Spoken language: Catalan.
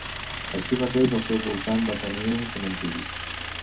Així mateix, al seu voltant va tenir un cementiri.